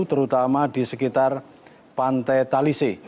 terutama di sekitar pantai talise